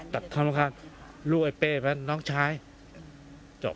ปัดความรำคาญลูกไอ้เป๊มานน้องชายจบ